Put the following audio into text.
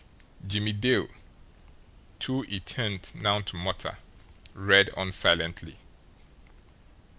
Jimmie Dale, too intent now to mutter, read on silently.